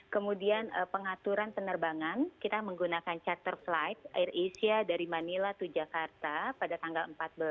kemudian pengaturan penerbangan kita menggunakan charter flight air asia dari manila to jakarta pada tanggal empat belas